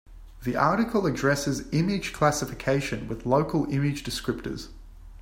The article addresses image classification with local image descriptors.